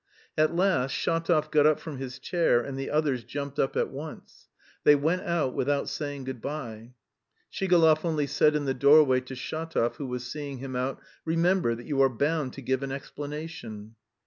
At last Shatov got up from his chair and the others jumped up at once. They went out without saying good bye. Shigalov only said in the doorway to Shatov, who was seeing him out: "Remember that you are bound to give an explanation."